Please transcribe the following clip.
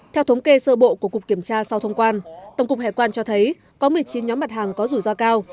theo thống kê sơ bộ của cục kiểm tra sau thông quan tổng cục hải quan cho thấy có một mươi chín nhóm mặt hàng có rủi ro cao